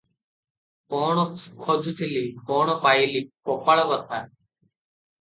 କଣ ଖୋଜୁଥିଲି, କଣ ପାଇଲି- କପାଳ କଥା!